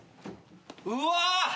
うわ！